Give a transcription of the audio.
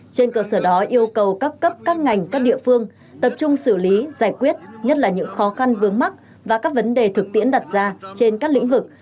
trên cơ sở đó yêu cầu các cấp các ngành các địa phương tập trung xử lý giải quyết nhất là những khó khăn vướng mắt và các vấn đề thực tiễn đặt ra trên các lĩnh vực